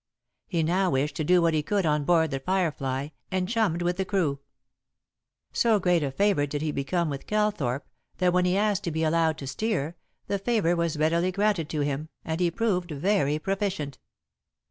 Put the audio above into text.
He now wished to do what he could on board The Firefly, and chummed with the crew. So great a favorite did he become with Calthorpe that when he asked to be allowed to steer, the favor was readily granted to him, and he proved very proficient.